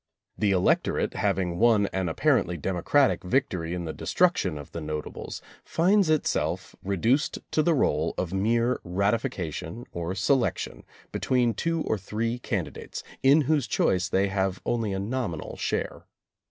The electorate having won an apparently democratic victory in the de struction of the notables, finds itself reduced to the role of mere ratification or selection between two or three candidates, in whose choice they have only a nominal share.